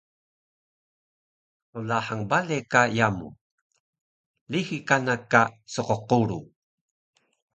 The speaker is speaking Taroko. Qlahang bale ka yamu, lixi kana ka sqquru